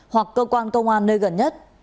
hoặc cơ quan công an nơi gần nhất